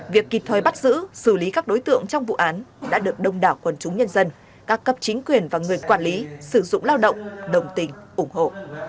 việc kịp thời bắt giữ xử lý các đối tượng trong vụ án đã được đông đảo quần chúng nhân dân các cấp chính quyền và người quản lý sử dụng lao động đồng tình ủng hộ